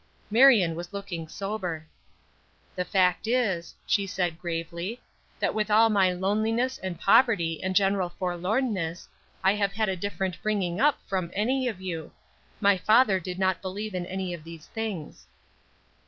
Marion was looking sober. "The fact is," she said, gravely, "that with all my loneliness and poverty and general forlornness, I have had a different bringing up from any of you. My father did not believe in any of these things."